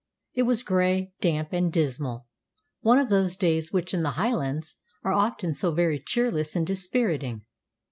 It was grey, damp, and dismal, one of those days which in the Highlands are often so very cheerless and dispiriting.